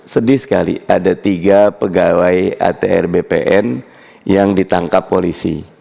sedih sekali ada tiga pegawai atr bpn yang ditangkap polisi